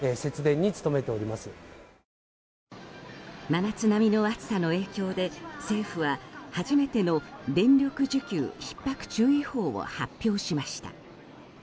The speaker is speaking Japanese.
真夏並みの暑さの影響で政府は初めての電力需給ひっ迫注意報を発表しました。